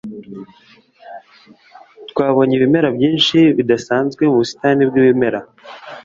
twabonye ibimera byinshi bidasanzwe mubusitani bwibimera